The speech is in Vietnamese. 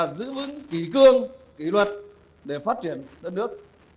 giữ vững kỳ cương kỳ luật để phát triển đất nước